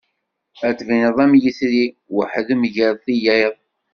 Ad d-tbineḍ am yetri, weḥd-m gar teyyiḍ.